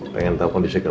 pengen telfon disekat